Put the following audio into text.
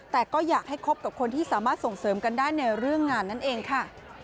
แต่ก็อยากให้คบกับคนที่สามารถส่งเสริมกันได้ในเรื่องงานนั่นเองค่ะ